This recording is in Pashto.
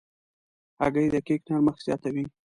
هګۍ د کیک نرمښت زیاتوي.